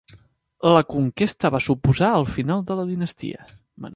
La conquesta va suposar el final de la dinastia.